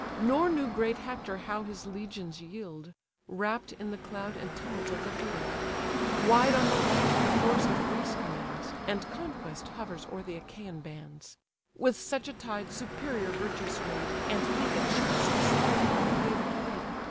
Nor knew great Hector how his legions yield, (Wrapp'd in the cloud and tumult of the field:) Wide on the left the force of Greece commands, And conquest hovers o'er th' Achaian bands; With such a tide superior virtue sway'd, And he that shakes the solid earth gave aid.